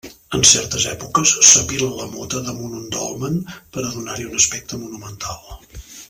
En certes èpoques, s'apila la mota damunt un dolmen per a donar-hi un aspecte monumental.